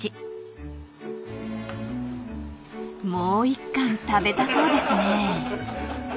［もう１貫食べたそうですね］